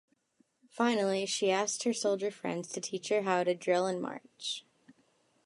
Finally she asked her soldier friends to teach her how to drill and march.